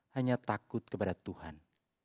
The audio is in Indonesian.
hanya takut kepada tuhan